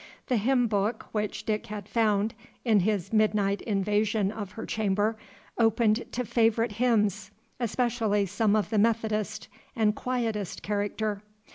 The hymn book which Dick had found, in his midnight invasion of her chamber, opened to favorite hymns, especially some of the Methodist and Quietist character.